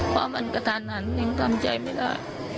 พ่อมันกระทันยังทำใจไม่ได้